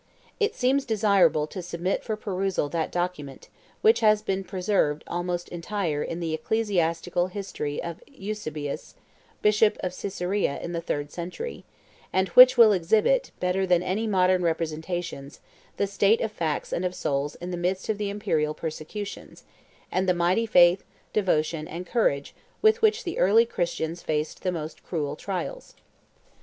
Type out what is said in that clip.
It seems desirable to submit for perusal that document, which has been preserved almost entire in the Ecclesiastical History of Eusebius, Bishop of Caesarea in the third century, and which will exhibit, better than any modern representations, the state of facts and of souls in the midst of the imperial persecutions, and the mighty faith, devotion, and courage with which the early Christians faced the most cruel trials.